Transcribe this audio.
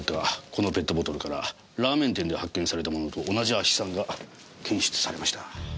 このペットボトルからラーメン店で発見されたものと同じ亜ヒ酸が検出されました。